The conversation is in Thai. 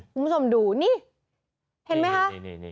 คุณผู้ชมดูนี่เห็นไหมคะ